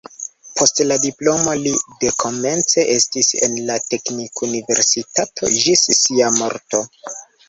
Post la diplomo li dekomence estis en la teknikuniversitato ĝis sia morto.